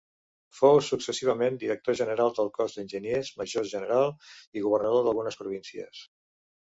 Fou successivament director general del cos d'enginyers, major general i governador d'algunes províncies.